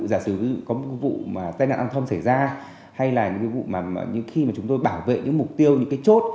giả sử có một vụ tai nạn an thông xảy ra hay là những vụ khi chúng tôi bảo vệ những mục tiêu những chốt